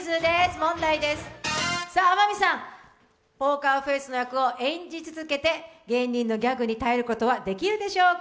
問題です、天海さん、ポーカーフェースの役を演じ続けて芸人のギャグに耐えることはできるでしょうか。